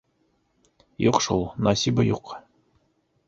Юҡ шул, насибы юҡ.